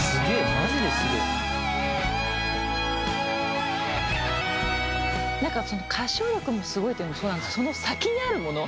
マジですげえ」なんか歌唱力もすごいというのもそうなんですけどその先にあるもの。